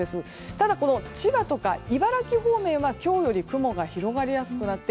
ただ、千葉とか茨城方面は今日より雲が広がりやすくなって